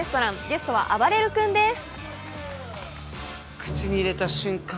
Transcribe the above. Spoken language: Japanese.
ゲストは、あばれる君です。